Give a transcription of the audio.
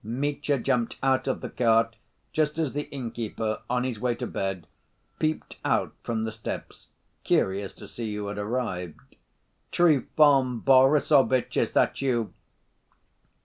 Mitya jumped out of the cart just as the innkeeper, on his way to bed, peeped out from the steps curious to see who had arrived. "Trifon Borissovitch, is that you?"